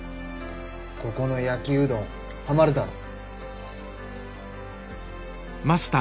ここの焼きうどんはまるだろ？